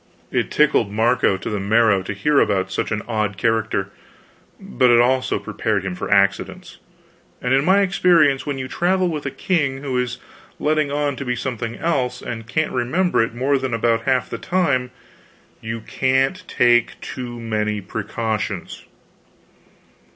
It tickled Marco to the marrow to hear about such an odd character; but it also prepared him for accidents; and in my experience when you travel with a king who is letting on to be something else and can't remember it more than about half the time, you can't take too many precautions.